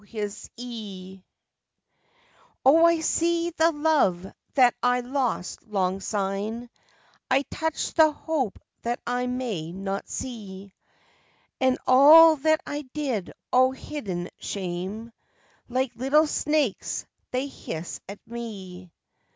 "Oh, I see the love that I lost long syne, I touch the hope that I may not see, And all that I did o' hidden shame, Like little snakes they hiss at me.